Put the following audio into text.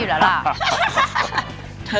ตอนแรกเกิดอะไร